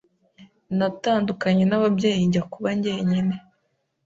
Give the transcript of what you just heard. natandukanye n’ababyeyi njya kuba njyenyine,